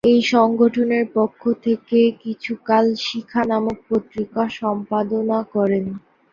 এই সংগঠনের পক্ষ থেকে তিনি কিছুকাল 'শিখা' নামক পত্রিকা সম্পাদনা করেন।